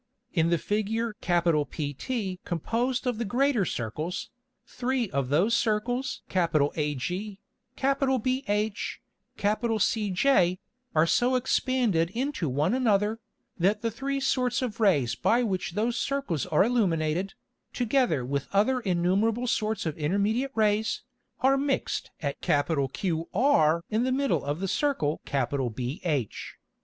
In the Figure PT composed of the greater Circles, three of those Circles AG, BH, CJ, are so expanded into one another, that the three sorts of Rays by which those Circles are illuminated, together with other innumerable sorts of intermediate Rays, are mixed at QR in the middle of the Circle BH.